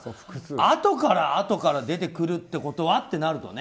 あとからあとから出てくるってことはってなるとね。